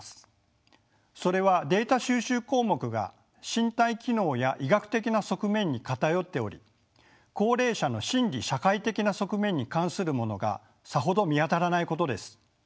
それはデータ収集項目が身体機能や医学的な側面に偏っており高齢者の心理社会的な側面に関するものがさほど見当たらないことです。